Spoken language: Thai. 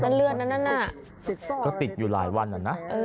นั่นเลือดนั่นน่ะ